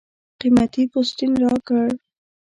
قېمتي پوستین راکړ.